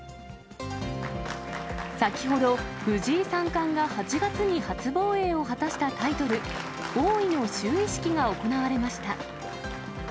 先ほど、藤井三冠が８月に初防衛を果たしたタイトル、王位の就位式が行われました。